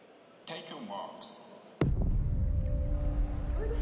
おいで！